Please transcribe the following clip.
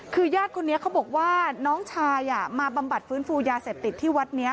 คือญาติคนนี้เขาบอกว่าน้องชายมาบำบัดฟื้นฟูยาเสพติดที่วัดนี้